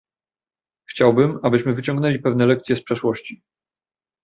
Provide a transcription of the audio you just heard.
Chciałbym, abyśmy wyciągnęli pewne lekcje z przeszłości